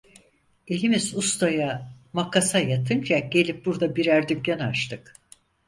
Elimiz usturaya, makasa yatınca gelip burda birer dükkan açtık.